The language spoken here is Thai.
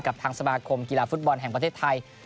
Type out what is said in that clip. ทางสมาคมกีฬาฟุตบอลแห่งประเทศไทย